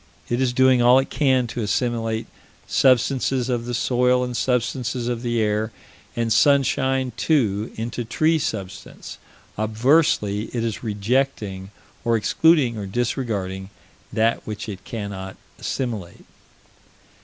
It is doing all it can to assimilate substances of the soil and substances of the air, and sunshine, too, into tree substance: obversely it is rejecting or excluding or disregarding that which it cannot assimilate.